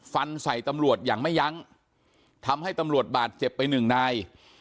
ฟันใส่ตำรวจอย่างไม่ยั้งทำให้ตำรวจบาดเจ็บไปหนึ่งนาย